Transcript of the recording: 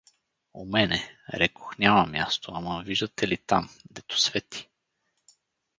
У мене, рекох, няма място, ама виждате ли там, дето свети?